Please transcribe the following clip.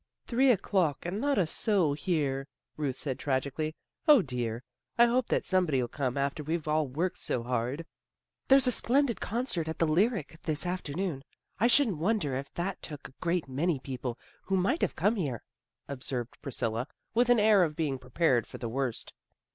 " Three o'clock and not a soul here," Ruth said tragically. " 0, dear! I hope that some body'll come after we've all worked so hard." " There's a splendid concert at the Lyric this afternoon. I shouldn't wonder if that took a great many people who might have come here," THE BAZAR 105 observed Priscilla, with an air of being prepared for the worst.